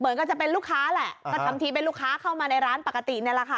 ก็จะเป็นลูกค้าแหละก็ทำทีเป็นลูกค้าเข้ามาในร้านปกตินี่แหละค่ะ